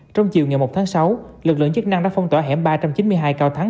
trong chiều ngày một tháng sáu lực lượng chức năng đã phong tỏa hẻm ba trăm chín mươi hai cao thắng